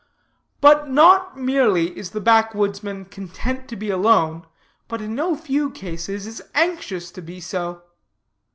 But not merely is the backwoodsman content to be alone, but in no few cases is anxious to be so.